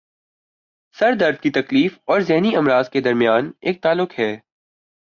سر درد کی تکلیف اور ذہنی امراض کے درمیان ایک تعلق ہے